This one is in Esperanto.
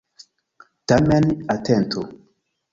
Tamen atentu!